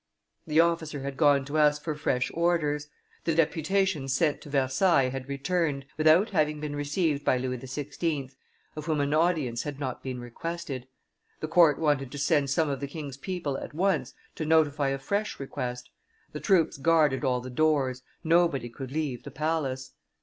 The officer had gone to ask for fresh orders; the deputation sent to Versailles had returned, without having been received by Louis XVI., of whom an audience had not been requested. The court wanted to send some of the king's people at once to notify a fresh request; the troops guarded all the doors, nobody could leave the Palace.